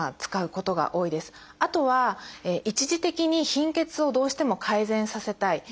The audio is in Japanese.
あとは一時的に貧血をどうしても改善させたい。